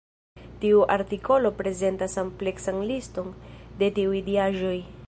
Tiu artikolo prezentas ampleksan liston de tiuj diaĵoj.